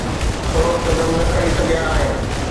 ٺوس قدم نه کڻي سگهيا آهن